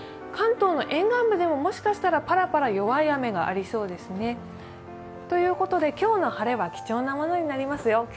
関東の沿岸部でももしかしたらぱらぱらと弱い雨が降りそうですね。ということで今日の晴れは貴重な物になりますよ。